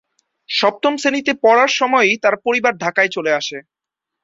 সপ্তম শ্রেণীতে পড়ার সময়ই তার পরিবার ঢাকায় চলে আসে।